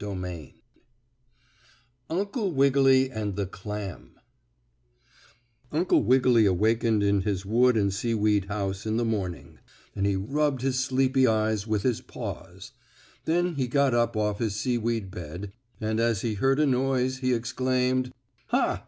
STORY VIII UNCLE WIGGILY AND THE CLAM Uncle Wiggily awakened in his wood and seaweed house in the morning, and he rubbed his sleepy eyes with his paws. Then he got up off his seaweed bed and as he heard a noise he exclaimed: "Ha!